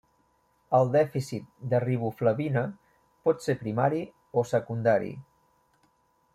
El dèficit de riboflavina pot ser primari o secundari.